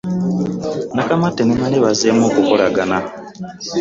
Nakamatte ne Male bazzeemu okukolagana.